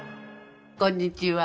こんにちは。